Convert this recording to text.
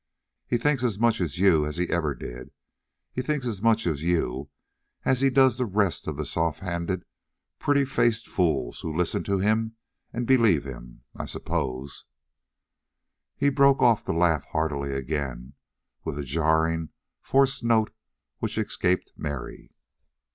"He thinks as much of you as he ever did. He thinks as much of you as he does of the rest of the soft handed, pretty faced fools who listen to him and believe him. I suppose " He broke off to laugh heartily again, with a jarring, forced note which escaped Mary.